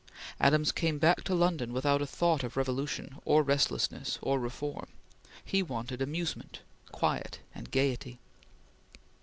Adams came back to London without a thought of revolution or restlessness or reform. He wanted amusement, quiet, and gaiety.